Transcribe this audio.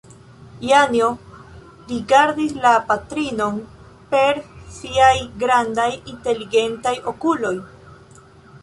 Janjo rigardis la patrinon per siaj grandaj inteligentaj okuloj.